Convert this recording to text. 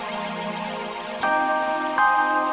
tak ada dimana